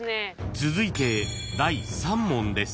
［続いて第３問です］